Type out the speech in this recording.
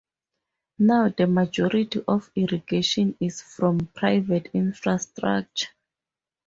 Now the majority of irrigation is from private infrastructure.